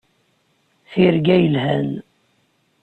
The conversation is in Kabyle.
Tirga yelhan.